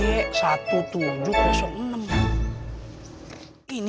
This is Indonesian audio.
ini mobil bang muhid